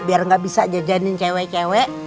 biar nggak bisa jajanin cewek cewek